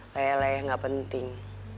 leleh ga penting